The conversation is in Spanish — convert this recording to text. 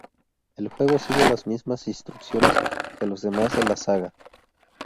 El juego sigue las mismas instrucciones que los demás de la saga.